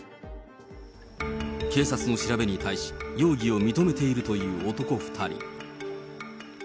警察の調べに対し、容疑を認めているという男２人。